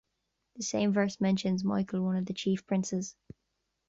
The same verse mentions "Michael, one of the chief princes".